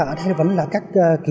ở đây vẫn là các